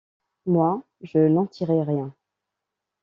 moi je n'en tirerai rien.